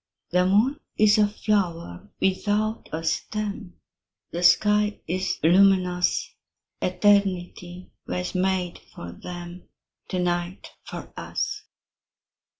The moon is a flower without a stem, The sky is luminous; Eternity was made for them, To night for us.